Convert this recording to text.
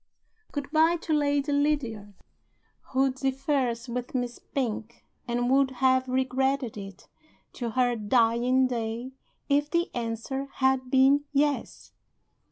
Good by to Lady Lydiard who differs with Miss Pink, and would have regretted it, to her dying day, if the answer had been Yes.